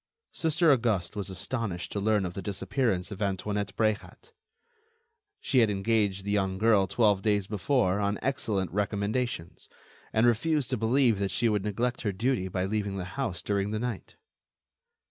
Sister Auguste was astonished to learn of the disappearance of Antoinette Bréhat. She had engaged the young girl twelve days before, on excellent recommendations, and refused to believe that she would neglect her duty by leaving the house during the night.